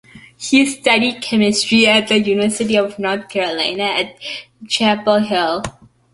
He studied chemistry at the University of North Carolina at Chapel Hill.